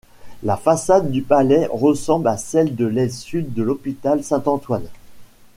La façade du palais ressemble à celle de l'aile sud de l'hôpital Saint-Antoine.